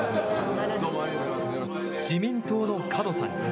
自民党の門さん。